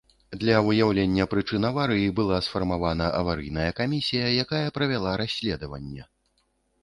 Для выяўлення прычын аварыі была сфармавана аварыйная камісія, якая правяла расследаванне.